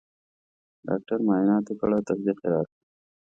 ډاکټر معاینات وکړل او تصدیق یې راکړ.